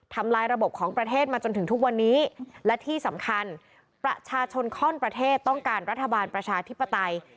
ทำลายระบบของประเทศมาจนถึงทุกวันนี้และที่สำคัญประชาชนข้อนประเทศต้องการรัฐบาลประชาธิปไตย